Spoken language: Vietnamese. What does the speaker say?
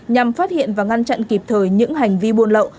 nhằm phát hiện và ngăn chặn kịp thời những hành vi buôn lậu